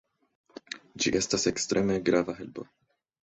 Ĝi estas ekstreme grava helpo.